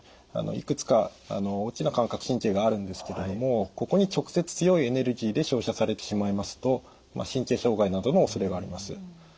いくつか大きな感覚神経があるんですけれどもここに直接強いエネルギーで照射されてしまいますと神経障害などのおそれがあります。